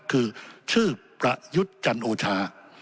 คือชื่อประยุทธ์จันโอชา